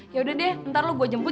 ya udah deh nanti gue jemput